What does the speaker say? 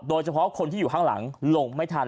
โดยเฉพาะคนที่อยู่ข้างหลังลงไม่ทัน